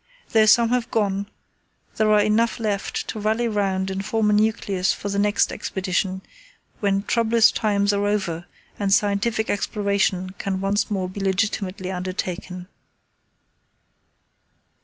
Though some have gone there are enough left to rally round and form a nucleus for the next Expedition, when troublous times are over and scientific exploration can once more be legitimately undertaken.